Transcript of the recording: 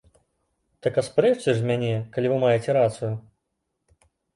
Так аспрэчце ж мяне, калі вы маеце рацыю!